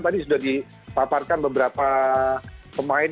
jadi sudah ditaparkan beberapa pemain